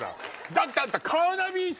だってあんた。